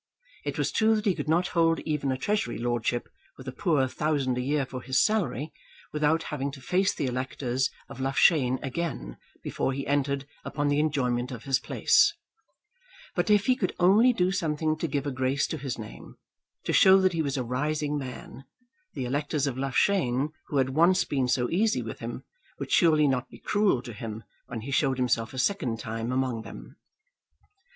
It was true that he could not hold even a Treasury lordship with a poor thousand a year for his salary without having to face the electors of Loughshane again before he entered upon the enjoyment of his place; but if he could only do something to give a grace to his name, to show that he was a rising man, the electors of Loughshane, who had once been so easy with him, would surely not be cruel to him when he showed himself a second time among them.